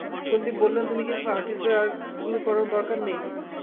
সন্দীপ বললেন, তুমি কি ভাব, আর্টিস্টদের আর গুরুকরণ দরকার নেই?